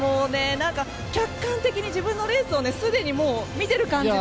客観的に自分のレースをすでに見てる感じで。